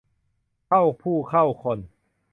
เข้าผู้เข้าคน